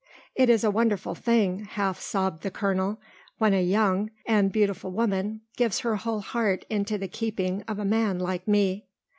"It is a wonderful thing," half sobbed the colonel, "when a young and beautiful woman gives her whole heart into the keeping of a man like me."